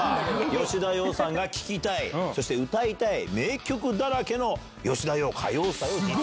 吉田羊さんが聴きたい、そして歌いたい名曲だらけの吉田羊歌謡祭を。